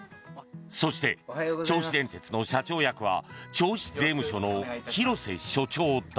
そして、銚子電鉄の社長役は銚子税務署の廣瀬署長だ。